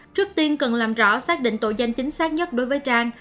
trước tiên cần làm rõ xác định tội danh chính xác nhất đối với trang